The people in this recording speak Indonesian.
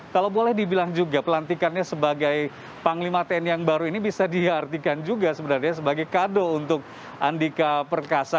kalau boleh dibilang juga pelantikannya sebagai panglima tni yang baru ini bisa diartikan juga sebenarnya sebagai kado untuk andika perkasa